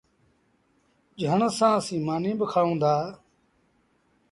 جھڻ سآݩ اسيٚݩ مآݩيٚ با کآئوݩ دآ۔